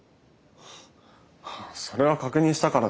それは確認したからで。